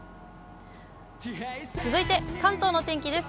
続いて関東の天気です。